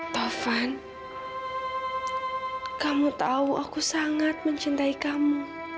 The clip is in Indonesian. taufan kamu tahu aku sangat mencintai kamu